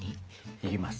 いきます。